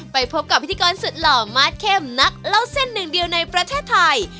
ไปพบกับพิธีกรสุดหล่อมาสเข้มนักเล่าเส้นหนึ่งเดียวในประเทศไทย